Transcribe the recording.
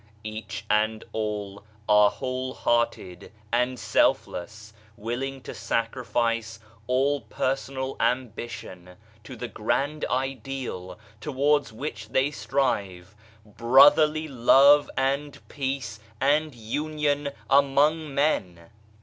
Each and all are whole hearted and self less, willing to sacrifice all personal ambition to the grand ideal towards which they strive : Brotherly Love and Peace and Union among men